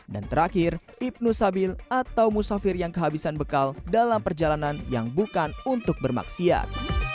dan terakhir ibnu sabil atau musafir yang kehabisan bekal dalam perjalanan yang bukan untuk bermaksiat